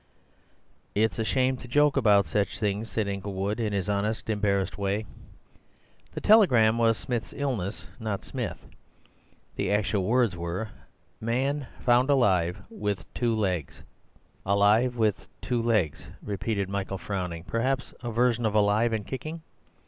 "It's a shame to joke about such things," said Inglewood, in his honest, embarrassed way; "the telegram was Smith's illness, not Smith. The actual words were, 'Man found alive with two legs.'" "Alive with two legs," repeated Michael, frowning. "Perhaps a version of alive and kicking?